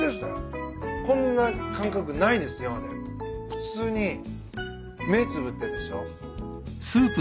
普通に目つぶってですよ。